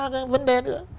cái vấn đề nữa